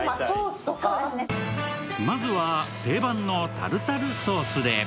まずは定番のタルタルソースで。